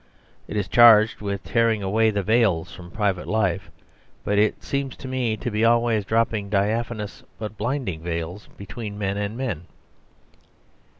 It is charged with tearing away the veils from private life; but it seems to me to be always dropping diaphanous but blinding veils between men and men.